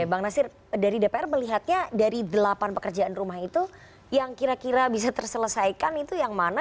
bang nasir dari dpr melihatnya dari delapan pekerjaan rumah itu yang kira kira bisa terselesaikan itu yang mana